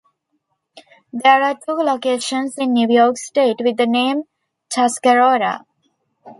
There are two locations in New York State with the name Tuscarora.